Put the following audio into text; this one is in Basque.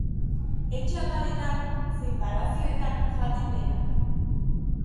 Etxe apaletan zein palazioetan jaten dena.